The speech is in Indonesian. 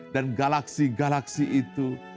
dan galaksi galaksi itu